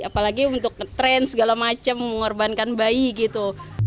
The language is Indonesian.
apalagi untuk ngetrend segala macam mengorbankan bayi gitu